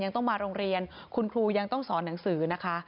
ต้องมาโรงเรียนคุณครูยังต้องสอนหนังสือนะคะ